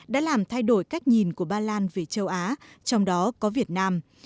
đã làm thay đổi cách nhìn của ba lan về châu á trong đó có việt nam